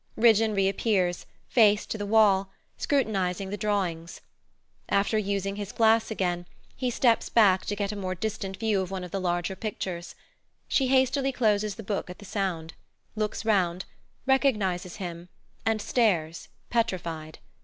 Ridgeon re appears, face to the wall, scrutinizing the drawings. After using his glass again, he steps back to get a more distant view of one of the larger pictures. She hastily closes the book at the sound; looks round; recognizes him; and stares, petrified.